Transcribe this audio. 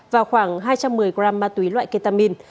và khoảng hai trăm một mươi gram ma túy loại ketamin